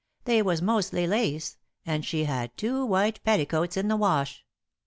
They was mostly lace, and she had two white petticoats in the wash.